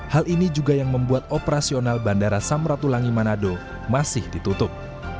hal ini juga yang membuat operasional bandara samratulangi manado masih ditutup